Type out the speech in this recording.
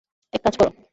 এক কাজ কর।